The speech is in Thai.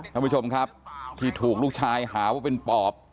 ท่านผู้ชมครับที่ถูกลูกชายหาว่าเป็นปอบ